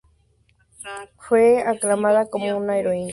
Fue aclamada como una heroína por el pueblo.